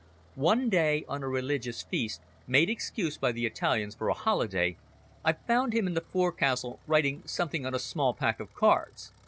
One day, on a religious feast, made excuse by the Italians for a holiday, I found him in the forecastle writing something on a small pack of cards.